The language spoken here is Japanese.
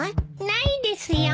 ないですよ。